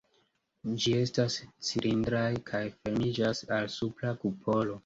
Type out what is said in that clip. Ĝi estas cilindraj kaj fermiĝas al supra kupolo.